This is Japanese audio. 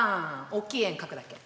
大きい円かくだけ。